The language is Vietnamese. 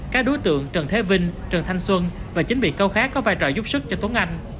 các đối tượng trần thế vinh trần thanh xuân và chính bị câu khác có vai trò giúp sức cho tuấn anh